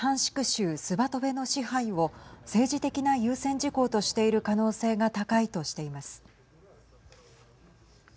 州スバトベの支配を政治的な優先事項としている可能性が高いとしています。